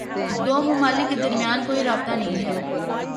دو ممالک کے درمیان کوئی رابطہ نہیں ہے۔